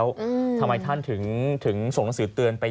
ว่าบางทีต้องการที่จะพักผ่อนแบบนอนหลับสนิทไป